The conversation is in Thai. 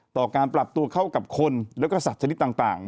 ต่อการปรับตัวเข้ากับคนแล้วก็สัตว์ชนิดต่าง